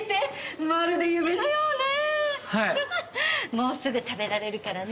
もうすぐ食べられるからね。